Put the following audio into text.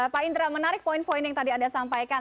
pak indra menarik poin poin yang tadi anda sampaikan